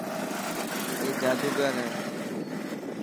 اي جادوگر هي.